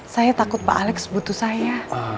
saya takut pak alex butuh saya